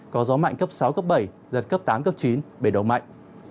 có gió mạnh cấp sáu cấp bảy giật cấp tám cấp chín biển động mạnh